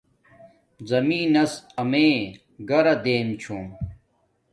زمین نس امیے گھرا دیم چھوم